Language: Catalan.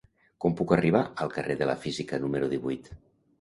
Com puc arribar al carrer de la Física número divuit?